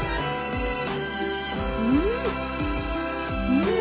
うん！